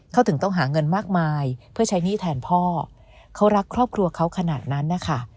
เขาถึงต้องหาเงินมากมายเพื่อใช้หนี้แทนพ่อเขารักครอบครัวเขาขนาดนั้นนะคะ